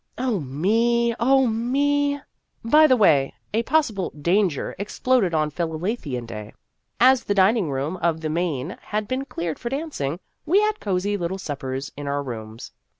Oh, me ! oh, me ! By the way, a pos sible " Danger" exploded on Philalethean Day. As the dining room of the Main had been cleared for dancing, we had cosy little suppers in our rooms.